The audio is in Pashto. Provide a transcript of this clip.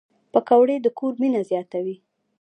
پکورې د کور مینه تازه کوي